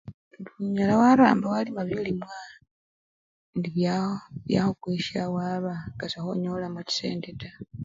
Indi unyala waramba walima bilimwa indi byaa! byakhukwisha wabaa nga sokhonyolamo chisendi taa.